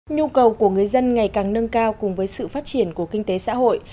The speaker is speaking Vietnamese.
nhu cầu của người dân ngày càng nâng cao cùng với sự phát triển của kinh tế xã hội